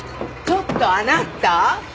ちょっとあなた！